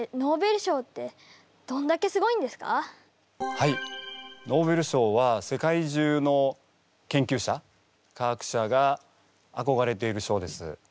はいノーベル賞は世界中の研究者科学者があこがれている賞です。